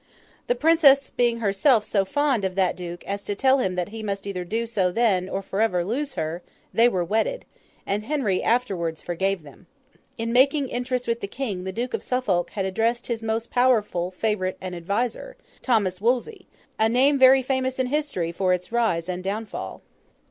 The Princess being herself so fond of that Duke, as to tell him that he must either do so then, or for ever lose her, they were wedded; and Henry afterwards forgave them. In making interest with the King, the Duke of Suffolk had addressed his most powerful favourite and adviser, Thomas Wolsey—a name very famous in history for its rise and downfall.